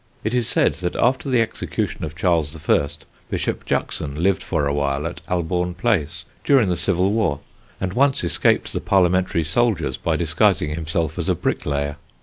It is said that after the execution of Charles I Bishop Juxon lived for a while at Albourne Place during the Civil War, and once escaped the Parliamentary soldiers by disguising himself as a bricklayer.